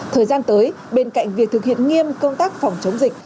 thời gian tới bên cạnh việc thực hiện nghiêm công tác phòng chống dịch